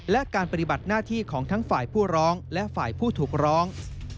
และการปฏิบัติหน้าที่ของทั้งฝ่ายผู้ร้องและฝ่ายผู้ถูกร้อง